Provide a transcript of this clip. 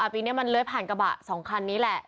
อเรนนี่มันเลยผ่านกระบะสองคันนี้แหละ